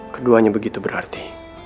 keduanya begitu berarti